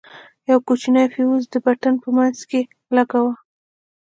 يو کوچنى فيوز د پټن په منځ کښې لگوو.